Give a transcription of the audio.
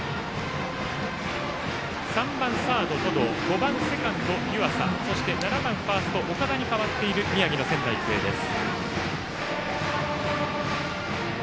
５番、セカンド、湯浅７番、ファースト、岡田に代わっている宮城の仙台育英です。